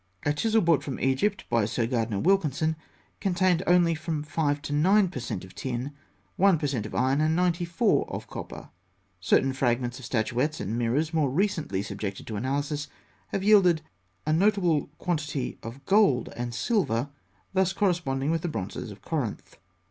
A chisel brought from Egypt by Sir Gardner Wilkinson contained only from 5 to 9 per cent. of tin, 1 per cent. of iron, and 94 of copper. Certain fragments of statuettes and mirrors more recently subjected to analysis have yielded a notable quantity of gold and silver, thus corresponding with the bronzes of Corinth.